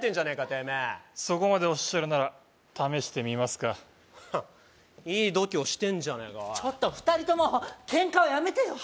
てめえそこまでおっしゃるなら試してみますかいい度胸してんじゃねえかおいちょっと２人ともケンカはやめてよ！